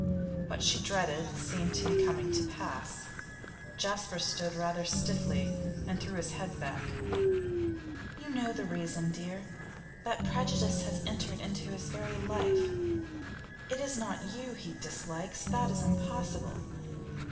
What she dreaded seemed to be coming to pass. Jasper stood rather stiffly, and threw his head back. 'You know the reason, dear. That prejudice has entered into his very life. It is not you he dislikes; that is impossible.